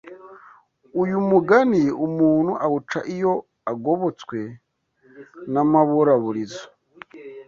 Uyu mugani umuntu awuca iyo agobotswe n’amaburaburizo